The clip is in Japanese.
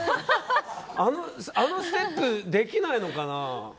あのステップできないのかな。